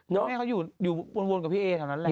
แม่เขาอยู่วนกับพี่เอแถวนั้นแหละ